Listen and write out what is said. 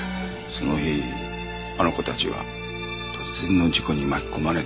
その日あの子たちは突然の事故に巻き込まれて。